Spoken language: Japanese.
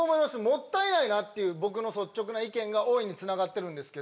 もったいないという率直な意見がおい！につながってるんですけど。